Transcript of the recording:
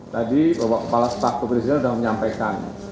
tadi bapak kepala staf kepresiden sudah menyampaikan